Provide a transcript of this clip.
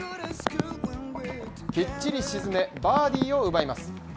きっちり沈め、バーディーを奪います。